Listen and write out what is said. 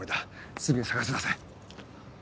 すぐに捜し出せ。